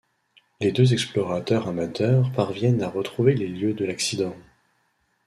Les deux explorateurs amateurs parviennent à retrouver les lieux de l'accident.